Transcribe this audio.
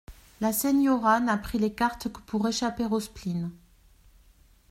La señora n'a pris les cartes que pour échapper au spleen.